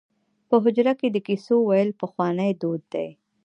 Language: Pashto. په حجره کې د کیسو ویل پخوانی دود دی.